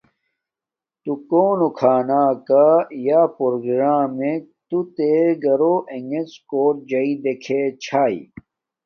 تو مے کونو کھناکا یا پروگرمک تو تے گررو انݣڎ کوٹ جاݵے دیکھے چھاݵ